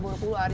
dari depan aja